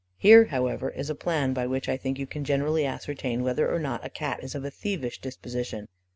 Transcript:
Here, however, is a plan by which, I think, you can generally ascertain whether or not a Cat is of a thievish disposition.